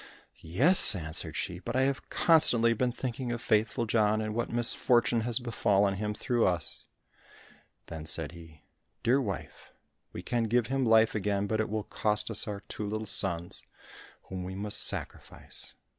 "Yes," answered she, "but I have constantly been thinking of Faithful John and what misfortune has befallen him through us." Then said he, "Dear wife, we can give him his life again, but it will cost us our two little sons, whom we must sacrifice."